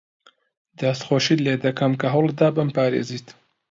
دەستخۆشیت لێ دەکەم کە هەوڵت دا بمپارێزیت.